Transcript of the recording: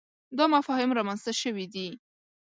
دا مفاهیم رامنځته شوي دي.